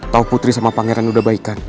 tau putri sama pangeran udah baikan